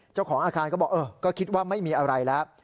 เจ้าของอาคารก็บอกก็คิดว่าไม่มีอะไรแล้ว